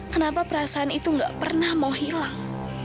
kenapa perasaan itu gak pernah mau hilang